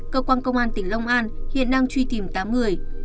cơ quan công an tỉnh long an hiện đang truy tìm tám người